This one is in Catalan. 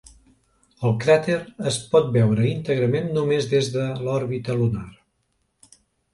El cràter es pot veure íntegrament només des de l'òrbita lunar.